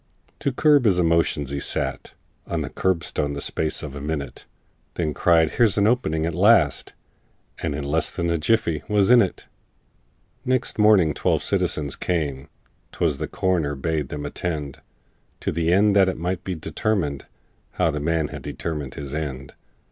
To curb his emotions, he sat On the curbstone the space of a minute, Then cried, "Here's an opening at last!" And in less than a jiffy was in it! Next morning twelve citizens came ('Twas the coroner bade them attend), To the end that it might be determined How the man had determined his end!